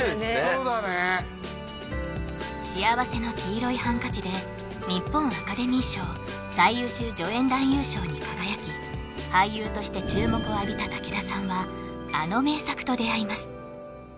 そうだね「幸福の黄色いハンカチ」で日本アカデミー賞最優秀助演男優賞に輝き俳優として注目を浴びた武田さんはあの名作と出会います